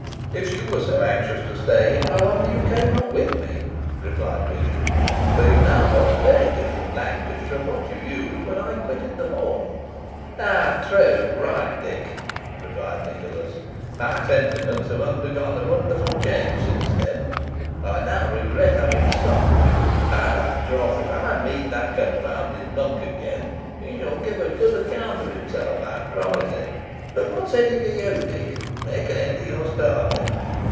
"If you were so anxious to stay him, I wonder you came not with me," replied Richard; "but you now hold very different language from what you used when I quitted the hall." "Ah, true right Dick," replied Nicholas; "my sentiments have undergone a wonderful change since then. I now regret having stopped you. By my troth! if I meet that confounded monk again, he shall give a good account of himself, I promise him. But what said he to you, Dick? Make an end of your story."